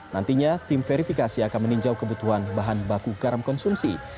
nantinya tim verifikasi akan meninjau kebutuhan bahan baku garam konsumsi